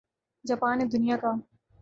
Japan نے دنیا کا